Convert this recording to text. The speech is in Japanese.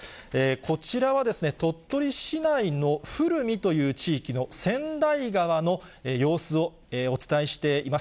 こちらは鳥取市内の古海という地域の千代川の様子をお伝えしています。